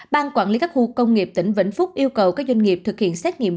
bang quản lý các khu công nghiệp tỉnh viễn phúc yêu cầu các doanh nghiệp thực hiện xét nghiệm